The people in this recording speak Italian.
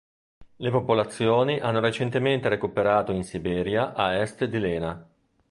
Le popolazioni hanno recentemente recuperato in Siberia a est di Lena.